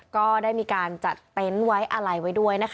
ก็ได้มีการจัดเต็นต์ไว้อะไรไว้ด้วยนะคะ